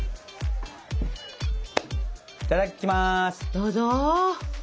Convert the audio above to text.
どうぞ。